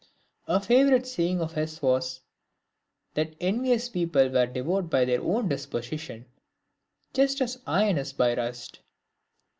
A favourite saying of his was, " That envious people were devoured by their own disposition, just as iron is by rust."